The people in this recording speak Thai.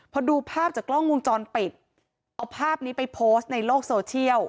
พอดูภาพจากกล้องวงจรปิดเอาภาพนี้ไปโพสต์ในโลกโซเชียล